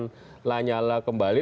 untuk memulangkan lanyala kembali